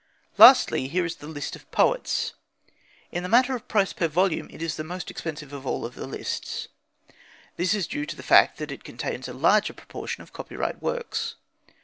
Lastly, here is the list of poets. In the matter of price per volume it is the most expensive of all the lists. This is due to the fact that it contains a larger proportion of copyright works.